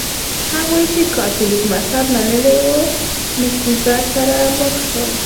هغوی چې کاتولیک مذهب منلی و مصیبت سره مخ شول.